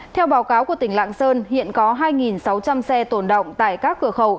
theo báo cáo của tỉnh lạng sơn hiện có hai sáu trăm linh xe tồn động tại các cửa khẩu